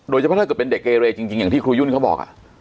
โดยเฉพาะถ้าเกิดเป็นเด็กเกเรจริงจริงอย่างที่ครูยุ่นเขาบอกอ่ะ